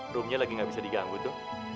roomnya lagi gak bisa diganggu tuh